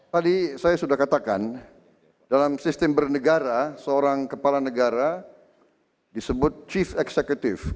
tadi saya sudah katakan dalam sistem bernegara seorang kepala negara disebut chief executive